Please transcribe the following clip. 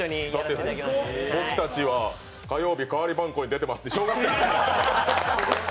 「僕たちは火曜日、代わりばんこに出てます」って小学生みたいに。